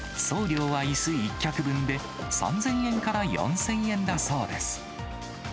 送料はいす１脚分で３０００円から４０００円だそうです。